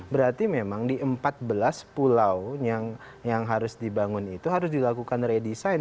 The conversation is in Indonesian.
berarti memang di empat belas pulau yang harus dibangun itu harus dilakukan redesign